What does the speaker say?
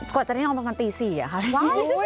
กว่าจะได้น้องประมาณตีสี่อะค่ะ